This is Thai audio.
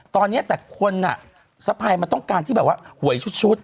ตอนนี้แต่คนอ่ะสะพายมันต้องการที่แบบว่าหวยชุด